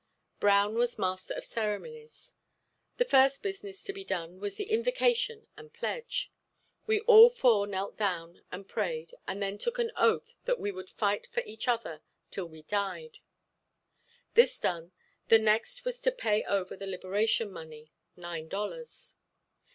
Brown was master of ceremonies. The first business to be done was the invocation and pledge. We all four knelt down and prayed and then took an oath that we would fight for each other till we died. This done, the next was to pay over the liberation money, nine dollars.